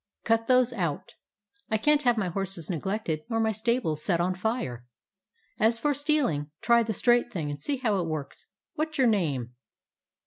Cut those out. I can't have my horses neglected nor my stables set on fire. As for stealing, try the straight thing and see how it works. What 's your name?"